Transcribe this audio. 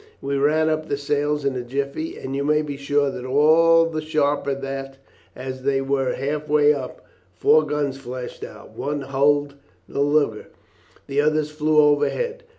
We ran up the sails in a jiffy, you may be sure, and all the sharper that, as they were half way up, four guns flashed out. One hulled the lugger, the others flew overhead.